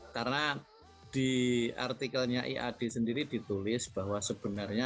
karena di artikelnya iad sendiri ditulis bahwa sebenarnya